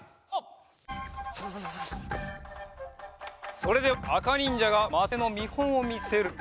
それではあかにんじゃが的あてのみほんをみせるぞ。